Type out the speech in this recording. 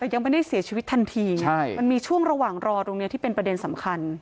แต่ยังไม่ได้เสียชีวิตทันทีไงมันมีช่วงระหว่างรอตรงนี้ที่เป็นประเด็นสำคัญ